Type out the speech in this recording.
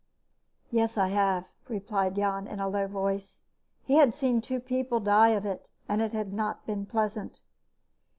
"Yes, I have," replied Jan in a low voice. He had seen two people die of it, and it had not been pleasant.